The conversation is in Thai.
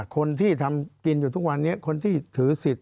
คนที่ทำกินอยู่ทุกวันนี้คนที่ถือสิทธิ